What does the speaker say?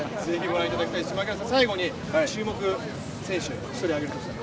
槙原さん、最後に注目選手を一人挙げるとしたら？